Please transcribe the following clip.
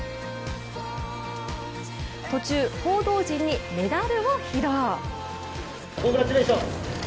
途中、報道陣にメダルを披露。